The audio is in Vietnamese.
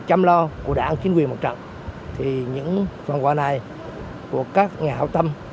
trong tâm lo của đảng chính quyền mặt trận thì những phần quà này của các nhà hảo tâm